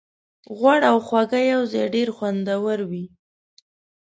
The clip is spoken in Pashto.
غوړ او خوږه یوځای ډېر خوندور وي.